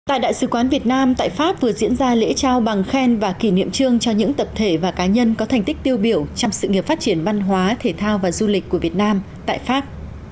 tại đại sứ quán việt nam tại pháp vừa diễn ra lễ trao bằng khen và kỷ niệm trương cho những tập thể và cá nhân có thành tích tiêu biểu trong sự nghiệp phát triển văn hóa thể thao và du lịch của việt nam tại pháp